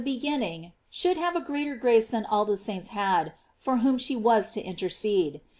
should have a greater grace than all the saintf had, for whom she was to intercede.